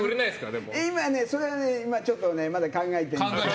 今ねそれはちょっとねまだ考えてんですよ。